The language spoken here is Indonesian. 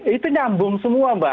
itu nyambung semua mbak